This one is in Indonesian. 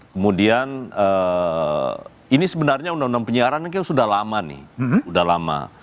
kemudian ini sebenarnya undang undang penyiaran kan sudah lama nih sudah lama